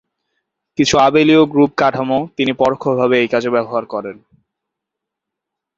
কিছু আবেলীয় গ্রুপ কাঠামো তিনি পরোক্ষ ভাবে এই কাজে ব্যবহার করেন।